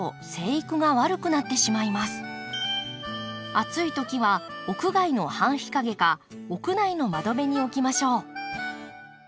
暑い時は屋外の半日陰か屋内の窓辺に置きましょう。